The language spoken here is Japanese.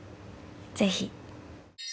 ぜひ。